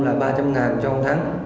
là ba trăm ngàn trong tháng